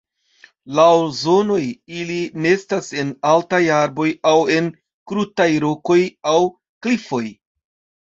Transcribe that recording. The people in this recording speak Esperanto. Laŭ zonoj, ili nestas en altaj arboj aŭ en krutaj rokoj aŭ klifoj.